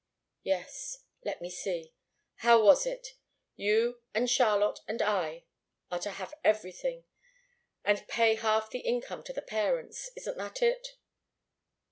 "Yes let me see how was it? You and Charlotte and I are to have everything, and pay half the income to the parents. Isn't that it?"